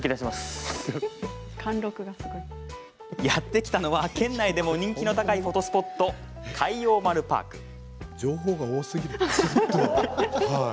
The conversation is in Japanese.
やって来たのは県内でも人気の高いフォトスポット、海王丸パーク。